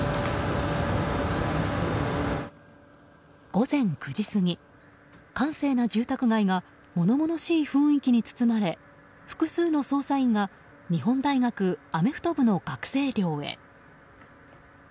午前９時過ぎ、閑静な住宅街が物々しい雰囲気に包まれ複数の捜査員が日本大学アメフト部の学生寮へ。